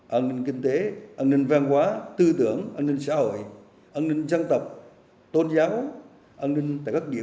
an ninh kinh tế an ninh vang hóa tư tưởng an ninh xã hội an ninh dân tộc tôn giáo an ninh tại các địa